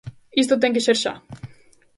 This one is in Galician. Isto ten que ser xa.